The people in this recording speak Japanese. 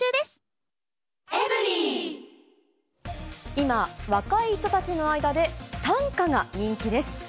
今、若い人たちの間で短歌が人気です。